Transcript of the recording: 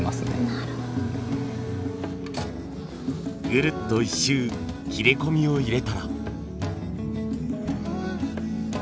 ぐるっと一周切れ込みを入れたら。